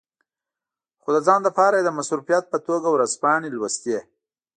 خو د ځان لپاره یې د مصروفیت په توګه ورځپاڼې لوستې.